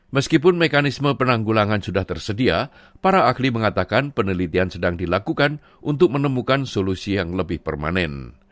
meskipun mekanisme penanggulangan sudah tersedia para ahli mengatakan penelitian sedang dilakukan untuk menemukan solusi yang lebih permanen